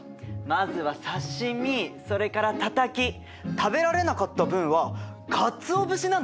まずは刺身それからたたき食べられなかった分はかつお節なんてどう？